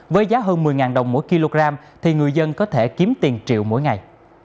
với giá hơn một mươi đồng mỗi kg thì người dân có thể kiếm tiền triệu mỗi ngày